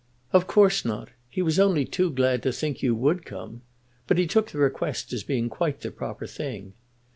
"Of course not. He was only too glad to think you would come. But he took the request as being quite the proper thing.